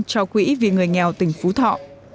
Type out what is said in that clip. cho quỹ vì người nghèo tỉnh phú thọ